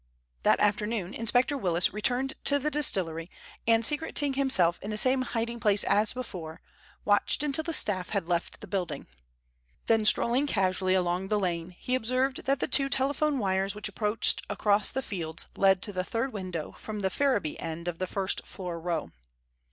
That afternoon Inspector Willis returned to the distillery, and secreting himself in the same hiding place as before, watched until the staff had left the building. Then strolling casually along the lane, he observed that the two telephone wires which approached across the fields led to the third window from the Ferriby end of the first floor row.